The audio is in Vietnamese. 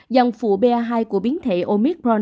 dòng phụ ba hai của biến thể omicron